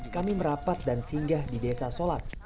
kami merapat dan singgah di desa sholat